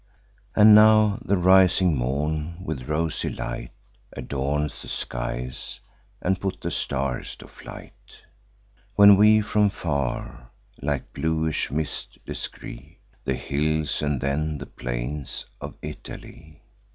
"And now the rising morn with rosy light Adorns the skies, and puts the stars to flight; When we from far, like bluish mists, descry The hills, and then the plains, of Italy.